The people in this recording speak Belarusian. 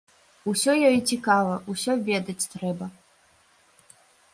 Усё ёй цікава, усё ведаць трэба.